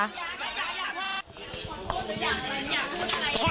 อย่าลงไป